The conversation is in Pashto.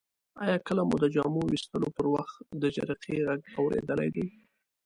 آیا کله مو د جامو ویستلو پر وخت د جرقې غږ اوریدلی دی؟